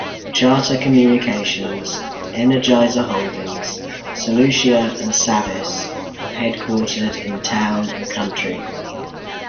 Charter Communications, Energizer Holdings, Solutia and Savvis are headquartered in Town and Country.